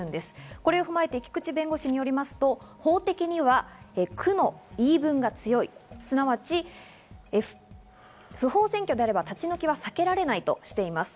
これを踏まえて菊地弁護士によりますと、法的には区の言い分が強い、すなわち不法占拠であれば立ち退きは避けられないとしています。